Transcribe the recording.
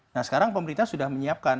nah sekarang pemerintah sudah menyiapkan